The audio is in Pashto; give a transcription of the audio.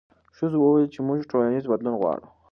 ښځو وویل چې موږ ټولنیز بدلون غواړو.